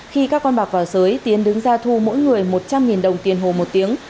khi các con bạc vào giới tiến đứng ra thu mỗi người một trăm linh đồng tiền hồ một tiếng